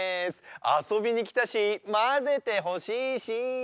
あそびにきたしまぜてほしいし。